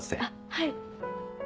はい。